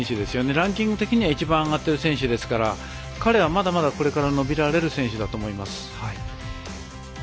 ランキング的には一番上がっている選手ですから彼は、まだこれから伸びられる選手だと思います。